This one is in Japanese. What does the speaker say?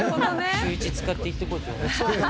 シューイチ使って行ってこいと。